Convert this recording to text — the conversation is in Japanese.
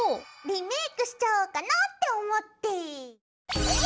リメイクしちゃおうかなって思って！